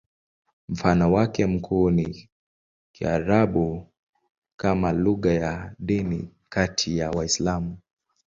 Mfano wake mkuu ni Kiarabu kama lugha ya kidini kati ya Waislamu.